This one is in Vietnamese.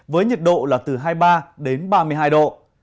với nhiệt độ là từ hai mươi ba đến ba mươi hai độ